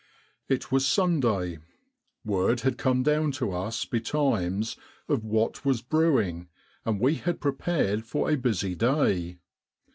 "It was Sunday. Word had come down to us betimes of what was brewing, and we had prepared for a busy day.